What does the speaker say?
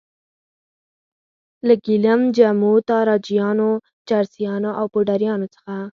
له ګیلم جمو، تاراجیانو، چرسیانو او پوډریانو څخه.